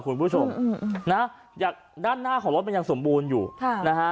คุณผู้ชมนะอย่างด้านหน้าของรถมันยังสมบูรณ์อยู่ค่ะนะฮะ